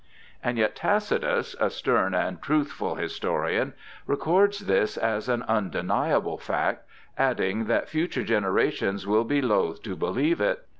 And yet Tacitus, a stern and truthful historian, records this as an undeniable fact, adding that future generations will be loath to believe it.